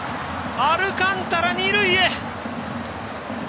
アルカンタラ、二塁へ！